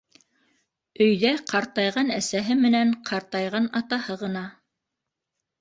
Өйҙә ҡартайған әсәһе менән ҡартайған атаһы ғына.